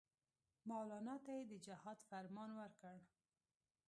مولنا ته یې د جهاد فرمان ورکړ.